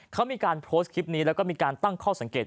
เขามีการโพสต์คลิปนี้แล้วก็มีการตั้งข้อสังเกต